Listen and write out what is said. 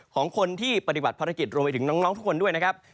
ของคนที่ปฏิบัติภารกิจรวมไปถึงน้องทุกคนด้วยนะครับ